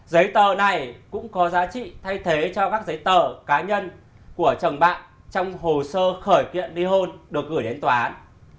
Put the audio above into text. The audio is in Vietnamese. giấy tờ này cũng có giá trị thay thế cho các giấy tờ cá nhân của chồng bạn trong hồ sơ khởi kiện li hôn được gửi đến tòa án